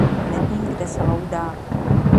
Nevím, kde se loudá.